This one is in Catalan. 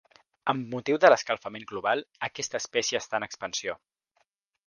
Amb motiu de l'escalfament global, aquesta espècie està en expansió.